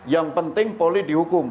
yang penting poli dihukum